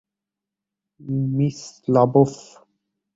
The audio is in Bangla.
Miss La বোফ!